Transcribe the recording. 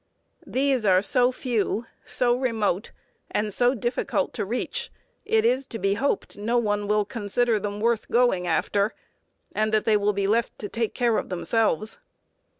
These are so few, so remote, and so difficult to reach, it is to be hoped no one will consider them worth going after, and that they will be left to take care of themselves.